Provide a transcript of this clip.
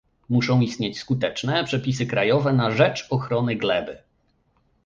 Muszą istnieć skuteczne przepisy krajowe na rzecz ochrony gleby